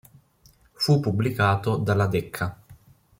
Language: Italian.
Fu pubblicato dalla Decca.